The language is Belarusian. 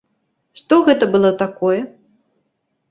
Што гэта было такое?